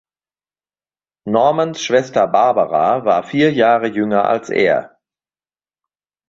Normans Schwester Barbara war vier Jahre jünger als er.